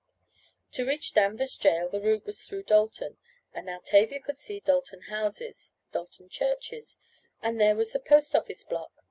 To reach Danvers jail the route was through Dalton, and now Tavia could see Dalton houses, Dalton churches, and there was the postoffice block!